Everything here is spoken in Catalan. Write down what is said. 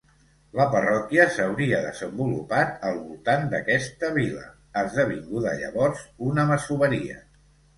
La parròquia s'hauria desenvolupat al voltant d'aquesta vil·la, esdevinguda llavors una masoveria.